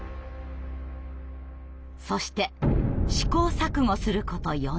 そして試行錯誤すること４年。